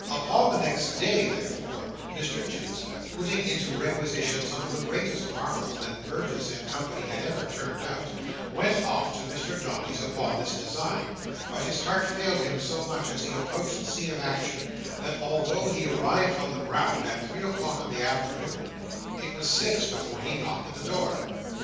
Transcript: Upon the next day, therefore, Mr Toots, putting into requisition some of the greatest marvels that Burgess and Co. had ever turned out, went off to Mr Dombey's upon this design. But his heart failed him so much as he approached the scene of action, that, although he arrived on the ground at three o'clock in the afternoon, it was six before he knocked at the door.